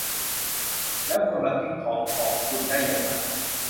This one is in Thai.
แล้วคุณมาทิ้งของของคุณได้อย่างไร ?